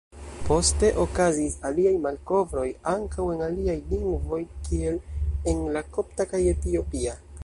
Poste okazis aliaj malkovroj ankaŭ en aliaj lingvoj kiel en la kopta kaj etiopia.